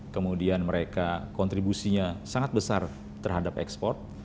kemudian mereka kontribusinya sangat besar terhadap ekspor